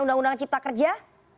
undang undang cipta kerja